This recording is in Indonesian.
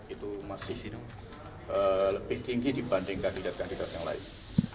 itu masih lebih tinggi dibanding kandidat kandidat yang lain